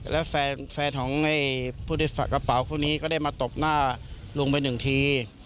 แล้วแฟนของผู้กินกระเป๋าคุณนี้ก็ได้มาตกหน้าลุงไป๑ที